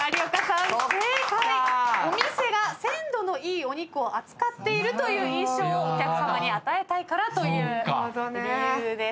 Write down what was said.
お店が鮮度のいいお肉を扱っているという印象をお客さまに与えたいからという理由でした。